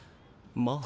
まあ。